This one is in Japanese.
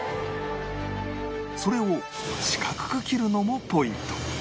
それを四角く切るのもポイント